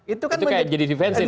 itu kayak jadi defensive